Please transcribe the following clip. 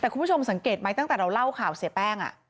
แต่คุณผู้ชมสังเกตไหมตั้งแต่เราเล่าข่าวเสียแป้ง